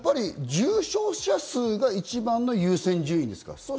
重症数が一番の優先順位ですか？